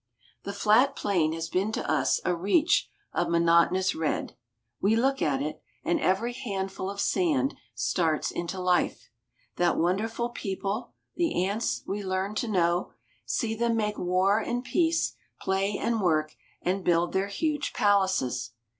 The flat plain has been to us a reach of monotonous red. We look at it, and every handful of sand starts into life. That wonderful people, the ants, we learn to know; see them make war and peace, play and work, and build their huge palaces.